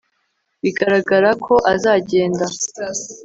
biragaragara ko azagenda